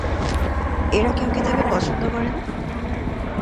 এরা কেউ কি তাঁকে পছন্দ করে না?